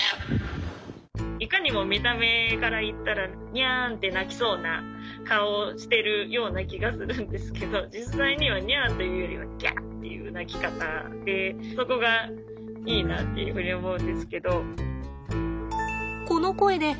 いかにも見た目からいったらニャンって鳴きそうな顔をしてるような気がするんですけど実際にはニャンというよりはギャアっていう鳴き方でそこがいいなっていうふうに思うんですけど。